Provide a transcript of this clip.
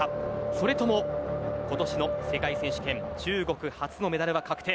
それでも今年の世界選手権中国初のメダルが確定。